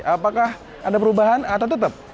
apakah ada perubahan atau tetap